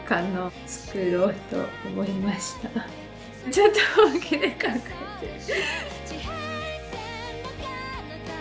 ちょっと本気で考えてる！